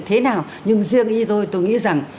thế nào nhưng riêng ý tôi nghĩ rằng